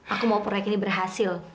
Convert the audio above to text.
aku mau proyek ini berhasil